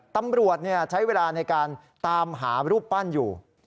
ตำรวจใช้เวลาในการตามหารูปปั้นอยู่